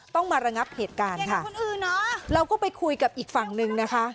ต้องมาระงับเหตุการณ์ค่ะเราก็ไปคุยกับอีกฝั่งหนึ่งนะคะ